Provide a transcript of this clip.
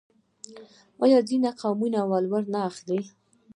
آیا ځینې قومونه ولور نه اخلي؟